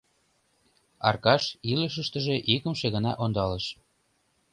— Аркаш илышыштыже икымше гана ондалыш.